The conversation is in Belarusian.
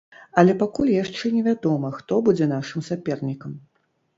Але пакуль яшчэ невядома, хто будзе нашым сапернікам.